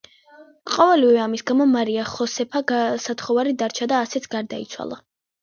ყოველივე ამის გამო, მარია ხოსეფა გასათხოვარი დარჩა და ასეც გარდაიცვალა.